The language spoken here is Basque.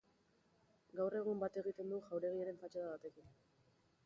Gaur egun bat egiten du jauregiaren fatxada batekin.